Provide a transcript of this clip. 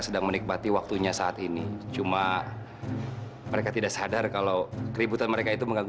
sampai jumpa di video selanjutnya